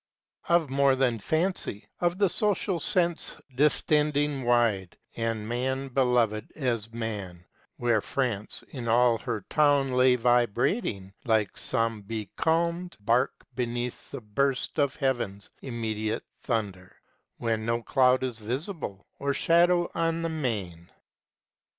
Of more than Fancy, of the Social Sense Distending wide, and man beloved as man, Where France in all her towns lay vibrating Like some becalmed bark beneath the burst Of Heaven's immediate thunder, when no cloud Is visible, or shadow on the main.